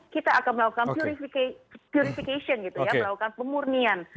kita akan melakukan purification melakukan pemurnian